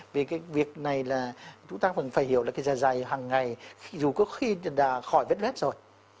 vì cái việc này là chúng ta vẫn phải hiểu là cái giả dày hằng ngày dù có khi đã khỏi vết vết rồi